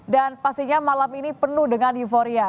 dan pastinya malam ini penuh dengan euforia